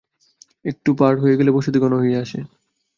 একটুকু পার হয়ে গেলে বসতি ঘন হইয়া আসে।